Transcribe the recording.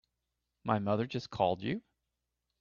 My mother just called you?